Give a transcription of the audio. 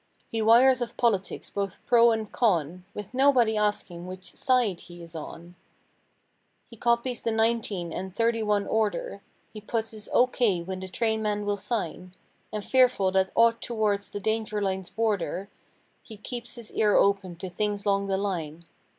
He wires of politics, both pro and con. With nobody asking which "side" he is on. He copies the "19" and "31" order; He puts his 0. k. when the trainmen will sign; And fearful that aught towards the danger lines border He keeps his ear open to things long the line.